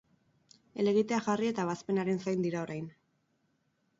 Helegitea jarri eta ebazpenaren zain dira orain.